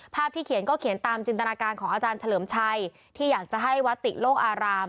ที่เขียนก็เขียนตามจินตนาการของอาจารย์เฉลิมชัยที่อยากจะให้วัดติโลกอาราม